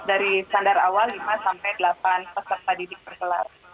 dari standar awal lima delapan persen